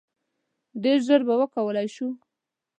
ډیر ژر به وکولای شو.